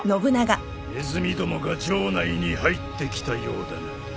ネズミどもが城内に入ってきたようだな。